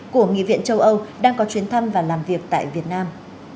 của nghị viện châu âu đang có chuyến thăm và làm việc tại việt nam